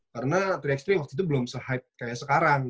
karena tri x tiga waktu itu belum se hype kayak sekarang